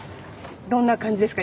どんな感じですか？